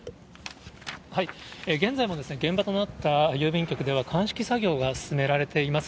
現在も、現場となった郵便局では、鑑識作業が進められています。